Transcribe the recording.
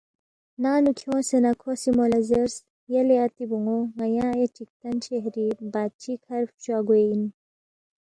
ننگ نُو کھیونگسے نہ کھو سی مو لہ زیرس، یلے اتی بون٘و ن٘یا اے چِکتن شہری بادشی کَھر فچوا گوے اِن